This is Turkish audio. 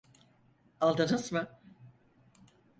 Aldınız mı?